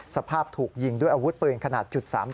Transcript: สภาพถูกยิงด้วยอาวุธปืนขนาด๓๘